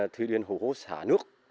thời điểm hữu hữu xá nước